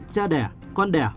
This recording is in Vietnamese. cha đẻ con đẻ